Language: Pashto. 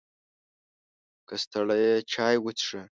که ستړی یې، چای وڅښه!